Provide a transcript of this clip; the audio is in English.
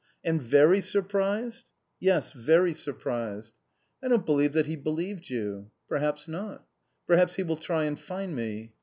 "And very surprised?" "Yes, very surprised." "I don't believe that he believed you." "Perhaps not." "Perhaps he will try and find me?"